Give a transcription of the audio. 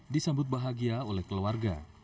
disambut bahagia oleh keluarga